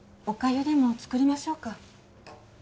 おかゆでも作りましょうか？